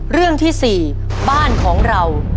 เรื่องที่๔บ้านของเรา